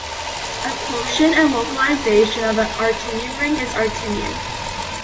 A quotient and localization of an Artinian ring is Artinian.